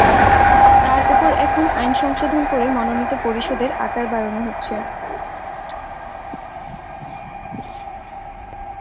তার ওপর এখন আইন সংশোধন করে মনোনীত পরিষদের আকার বাড়ানো হচ্ছে।